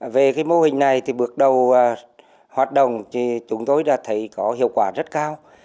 về cái mô hình này thì bước đầu hoạt động thì chúng tôi đã thấy có hiệu quả rất cao